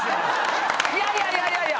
いやいやいやいやいや！